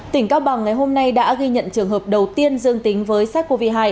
tỉnh cao bằng ngày hôm nay đã ghi nhận trường hợp đầu tiên dương tính với sars cov hai